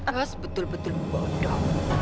lo sebetul betul bodoh